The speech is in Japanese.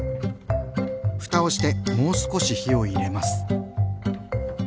ふたをしてもう少し火を入れます。